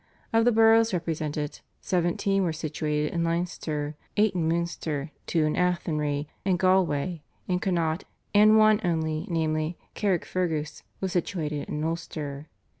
Of the boroughs represented seventeen were situated in Leinster, eight in Munster, two, Athenry and Galway, in Connaught, and one only, namely, Carrickfergus, was situated in Ulster.